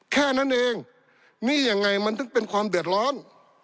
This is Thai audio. แค่นั้นเองนี่ยังไงมันถึงเป็นความเดือดร้อน